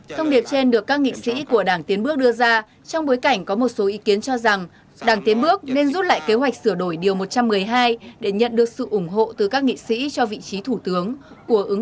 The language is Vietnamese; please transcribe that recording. thông điệp trên được các nghị sĩ của đảng tiến bước đưa ra trong bối cảnh có một số ý kiến cho rằng đảng tiến bước nên rút lại kế hoạch sửa đổi điều một trăm một mươi hai để nhận được sự ủng hộ từ các nghị sĩ cho vị trí thủ tướng